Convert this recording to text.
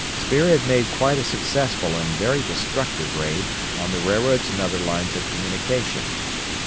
Spear had made quite a successful and very destructive raid on the railroads and other lines of communication.